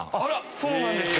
そうなんですよ。